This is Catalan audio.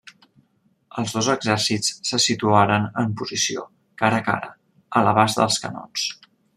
Els dos exèrcits se situaren en posició, cara a cara, a l'abast dels canons.